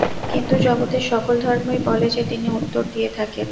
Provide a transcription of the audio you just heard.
কিন্তু জগতের সকল ধর্মই বলে যে, তিনি উত্তর দিয়ে থাকেন।